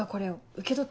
受け取っ。